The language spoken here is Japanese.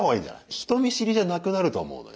人見知りじゃなくなると思うのよ。